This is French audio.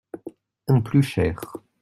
Un plus cher.